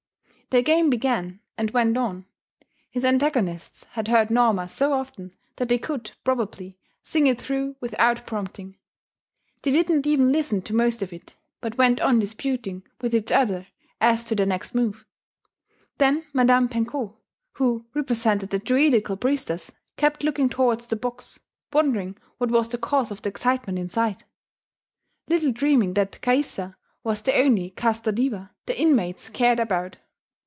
The game began and went on: his antagonists had heard Norma so often that they could, probably, sing it through without prompting; they did not even listen to most of it, but went on disputing with each other as to their next move. Then Madame Penco, who represented the Druidical priestess, kept looking towards the box, wondering what was the cause of the excitement inside; little dreaming that Caïssa was the only Casta Diva the inmates cared about.